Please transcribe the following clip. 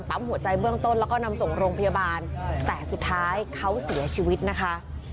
หัวใจเบื้องต้นแล้วก็นำส่งโรงพยาบาลแต่สุดท้ายเขาเสียชีวิตนะคะ